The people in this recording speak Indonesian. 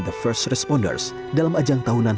the first responders dalam ajang tahunan